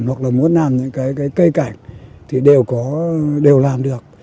hoặc là muốn làm những cái cây cảnh thì đều có đều làm được